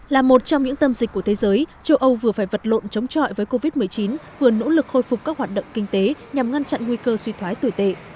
là một trong những tâm dịch của thế giới châu âu vừa phải vật lộn chống chọi với covid một mươi chín vừa nỗ lực khôi phục các hoạt động kinh tế nhằm ngăn chặn nguy cơ suy thoái tồi tệ